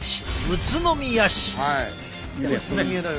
宇都宮市。